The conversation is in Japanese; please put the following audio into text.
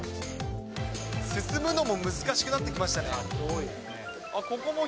進むのも難しくなってきましたね。